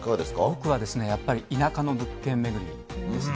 僕はやっぱり、田舎の物件巡りですね。